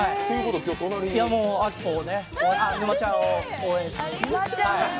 もう沼ちゃんを応援しに。